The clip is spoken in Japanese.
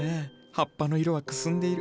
葉っぱの色はくすんでいる。